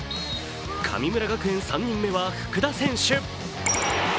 神村学園３人目は福田選手。